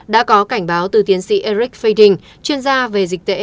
đã có cảnh báo từ tiến sĩ eric fading chuyên gia về dịch tễ